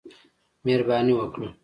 مهرباني وکړه !